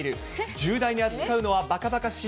重大に扱うのはばかばかしい。